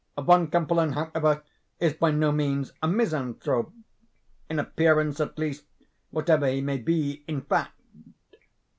Von Kempelen, however, is by no means 'a misanthrope,' in appearance, at least, whatever he may be in fact.